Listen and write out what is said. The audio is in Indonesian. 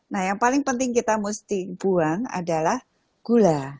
nah yang paling penting kita mesti buang adalah gula